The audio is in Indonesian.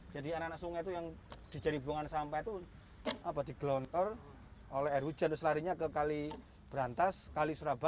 jadi anak anak sungai itu yang dijadikan buangan sampah itu digelontor oleh air hujan selarinya ke kali berantas kali surabaya